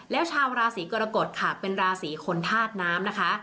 แล้วชาวราศีกรกฎค่ะเป็นราศีคนธาตุน้ำนะคะ